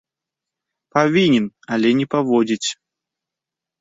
Павінен, але не паводзіць.